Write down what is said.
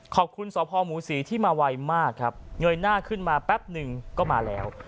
ขอบคุณสพหมูศรีที่มาไวมากครับเงยหน้าขึ้นมาแป๊บหนึ่งก็มาแล้ว